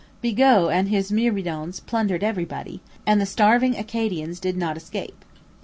Bigot and his myrmidons plundered everybody, and the starving Acadians did not escape.